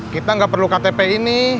kita nggak perlu ktp ini